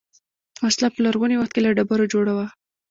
وسله په لرغوني وخت کې له ډبرو جوړه وه